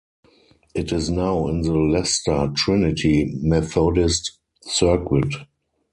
It is now in the Leicester Trinity Methodist Circuit.